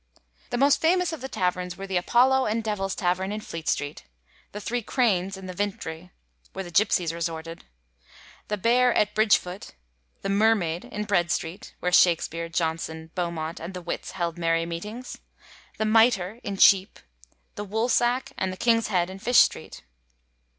'^ The most famous of the taverns were the Apollo and Devil's tavern in Fleet Street, the Three Cranes in the Vintry, where the gipsies resorted, the Bear at Bridge Foot, the Mermaid in Bread Street, where Shakspere, Jonson^ Beau mont and the wits held merry meetings, the Mitre in Cheap, the Woolsack and the King's Head in Fish Street.